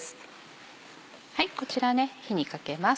こちら火にかけます。